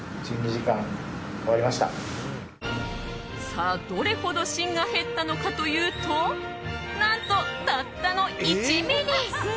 さあ、どれほど芯が減ったのかというと何と、たったの１ｍｍ。